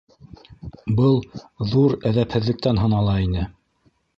Был ҙур әҙәпһеҙлектән һанала ине.